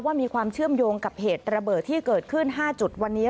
ว่ามีความเชื่อมโยงกับเหตุระเบิดที่เกิดขึ้น๕จุดวันนี้